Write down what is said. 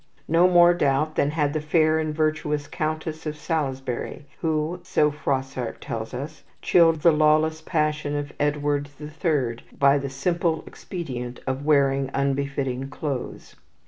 No more doubt than had the fair and virtuous Countess of Salisbury, who, so Froissart tells us, chilled the lawless passion of Edward the Third by the simple expedient of wearing unbefitting clothes.